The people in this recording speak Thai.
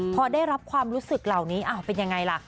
พอได้รับความรู้สึกเหล่านี้อ้าวเป็นยังไงล่ะ